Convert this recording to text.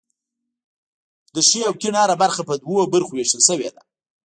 د ښي او کیڼ هره برخه په دوو برخو ویشل شوې ده.